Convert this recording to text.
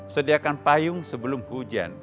sediakan payung sebelum hujan